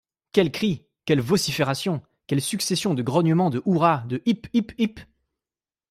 Quels cris! quelles vociférations ! quelle succession de grognements, de hurrahs, de « hip ! hip ! hip !